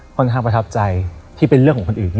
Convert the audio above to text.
ค่อนข้างประทับใจที่เป็นเรื่องของคนอื่นนี่